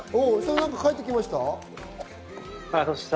何か返ってきました？